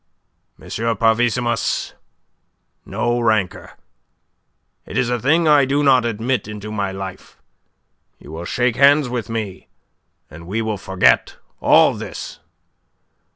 "M. Parvissimus, no rancour. It is a thing I do not admit into my life. You will shake hands with me, and we will forget all this."